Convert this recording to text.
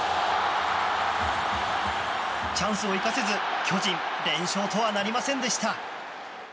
チャンスを生かせず、巨人連勝とはなりませんでした。